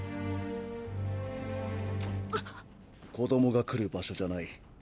子供が来る場所じゃない。